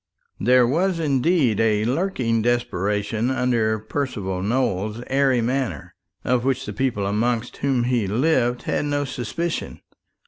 There was indeed a lurking desperation under Percival Nowell's airy manner, of which the people amongst whom he lived had no suspicion.